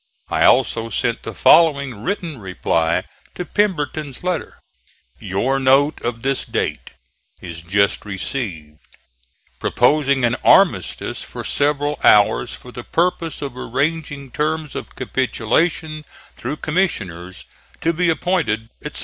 I also sent the following written reply to Pemberton's letter: "Your note of this date is just received, proposing an armistice for several hours, for the purpose of arranging terms of capitulation through commissioners, to be appointed, etc.